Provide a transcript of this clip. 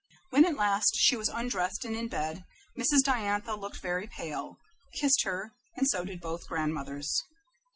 When at last she was undressed and in bed, Mrs. Diantha, looking very pale, kissed her, and so did both grandmothers.